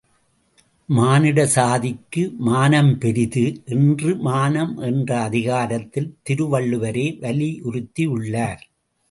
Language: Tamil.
மானிட சாதிக்கு மானம் பெரிது என்று மானம் என்ற அதிகாரத்தில் திருவள்ளுவரே வலியுறுத்தியுள்ளார்.